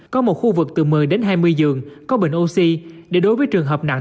có một khu vực từ một mươi đến hai mươi giường có bệnh oxy để đối với trường hợp nặng